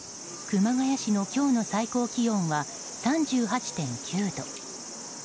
熊谷市の今日の最高気温は３８．９度。